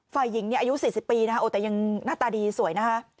ฝ่ายหญิงอายุ๔๐ปีนะคะโอ้แต่ยังหน้าตาดีสวยนะคะ